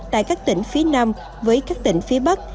tại các tỉnh phía nam với các tỉnh phía bắc